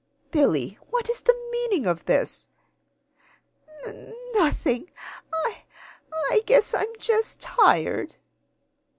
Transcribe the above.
"Billy, what is the meaning of this?" "N nothing. I I guess I'm just tired."